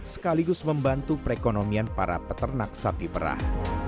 sekaligus membantu perekonomian para peternak sapi perah